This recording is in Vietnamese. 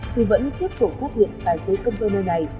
thì vẫn tiếp tục phát hiện tài xế công cơ nội